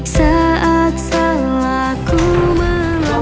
saat salah ku melalui kelahiran